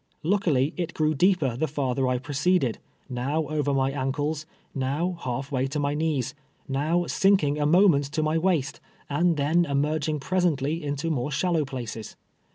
Luckily, it grew deeper the farther I proceeded — now over my ankles — now half way to my knees — now sinking a moment to my waist, and then emerging presently into more shallow places.